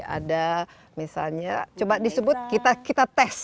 ada misalnya coba disebut kita tes